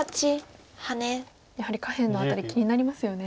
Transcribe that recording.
やはり下辺の辺り気になりますよね。